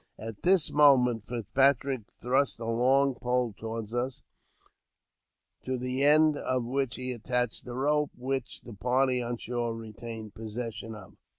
At this moment Fitzpatrick thrust a long pole toward us, to the end of which he attached a rope which the party on shore retained possession of.